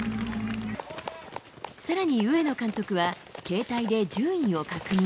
さらに上野監督は、携帯で順位を確認。